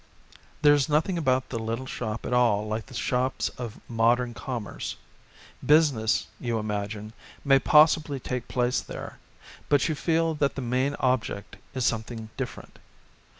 There is nothing about the little shop at all like the shops of modem commerce. Business, you imagine, may possibly take place there, but you feel that the main object is something different.